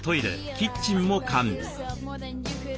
キッチンも完備。